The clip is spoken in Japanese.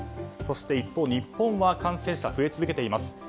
そして一方、日本は感染者が増え続けています。